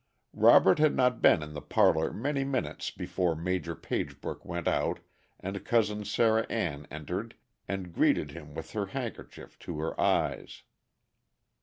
Robert had not been in the parlor many minutes before Major Pagebrook went out and Cousin Sarah Ann entered and greeted him with her handkerchief to her eyes.